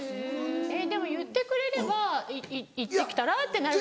でも言ってくれれば「行って来たら」ってなる。